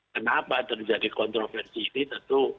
kenapa terjadi kontroversi ini tentu